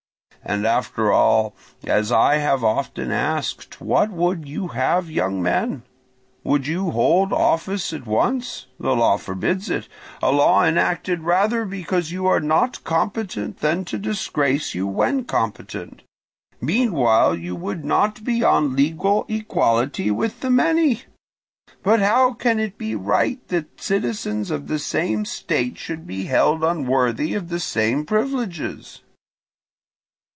And after all, as I have often asked, what would you have, young men? Would you hold office at once? The law forbids it, a law enacted rather because you are not competent than to disgrace you when competent. Meanwhile you would not be on a legal equality with the many! But how can it be right that citizens of the same state should be held unworthy of the same privileges?